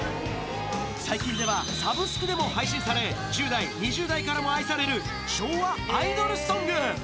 最近ではサブスクでも配信され、１０代、２０代からも愛される昭和アイドルソング。